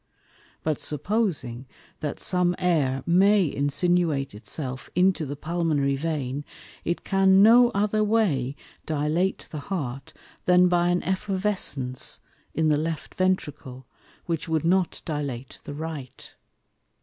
But supposing, that some Air may insinuate it self into the Pulmonary Vein, it can no other way dilate the Heart than by an Effervescence in the Left Ventricle, which wou'd not dilate the Right.